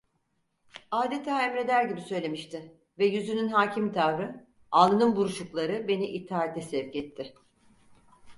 Adeta emreder gibi söylemişti ve yüzünün hakim tavrı, alnının buruşukları beni itaate sevk etti.